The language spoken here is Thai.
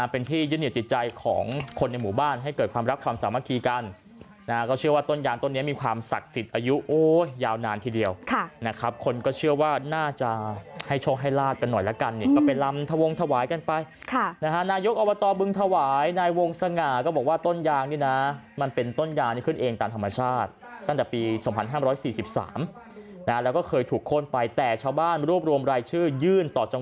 เป็นที่ยึดเหนียวจิตใจของคนในหมู่บ้านให้เกิดความรับความสามารถทีกันนะฮะก็เชื่อว่าต้นยางต้นนี้มีความศักดิ์สิทธิ์อายุโอ้ยาวนานทีเดียวนะครับคนก็เชื่อว่าน่าจะให้ช่องให้ลาดกันหน่อยละกันเนี่ยก็ไปลำวงถวายกันไปนะฮะนายกอวตบึงถวายนายวงสง่าก็บอกว่าต้นยางนี่นะมันเป็นต้นยางที่ขึ้